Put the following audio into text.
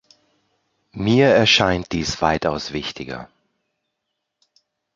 Mir erscheint dies weitaus wichtiger.